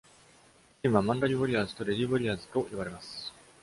チームは「マンダリーウォリアーズ」と「レディウォリアーズ」と呼ばれます。